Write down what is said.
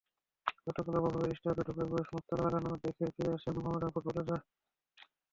গতকালও বাফুফের টার্ফে ঢোকার প্রবেশমুখে তালা লাগানো দেখে ফিরে আসেন মোহামেডানের ফুটবলাররা।